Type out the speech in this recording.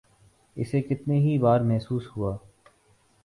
اسے کتنی ہی بار محسوس ہوا۔